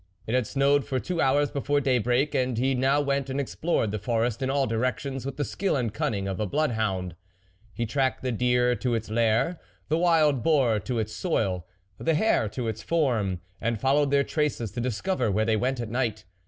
It had snowed for two hours before day break; and he now went and explored the forest in all directions, with the skill and cunning of a bloodhound. He tracked the deer to its lair, the wild boar to its soil, the hare to its form ; and followed their traces to discover where they went at night.